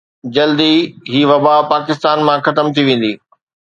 جلد ئي هي وبا پاڪستان مان ختم ٿي ويندي